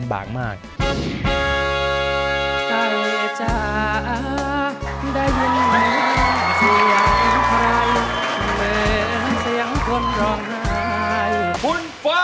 ถ้าตอบถูกเป็นคนแรกขึ้นมาเลย